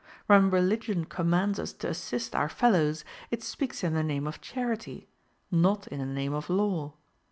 When religion commands us to assist our fellows, it speaks in the name of charity, not in the name of law.